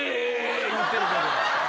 言うてるけど。